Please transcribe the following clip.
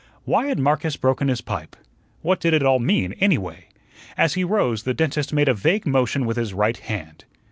Why had Marcus broken his pipe? What did it all mean, anyway? As he rose the dentist made a vague motion with his right hand.